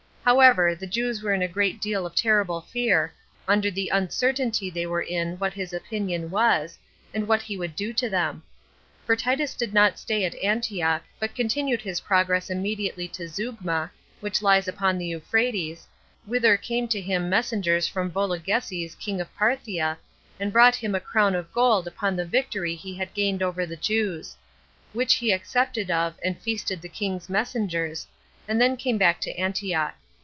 However, the Jews were in a great deal of terrible fear, under the uncertainty they were in what his opinion was, and what he would do to them. For Titus did not stay at Antioch, but continued his progress immediately to Zeugma, which lies upon the Euphrates, whither came to him messengers from Vologeses king of Parthia, and brought him a crown of gold upon the victory he had gained over the Jews; which he accepted of, and feasted the king's messengers, and then came back to Antioch.